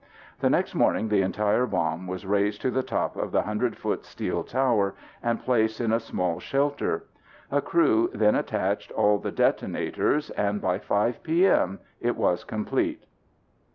The next morning the entire bomb was raised to the top of the 100 foot steel tower and placed in a small shelter. A crew then attached all the detonators and by 5 p.m. it was complete.